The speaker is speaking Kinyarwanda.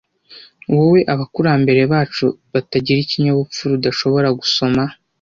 wowe abakurambere bacu batagira ikinyabupfura udashobora gusoma